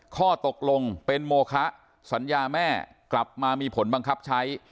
ข้อตกลงเป็นโมคะสัญญาแม่กลับมามีผลบังคับใช้